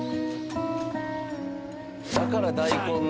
だから大根の。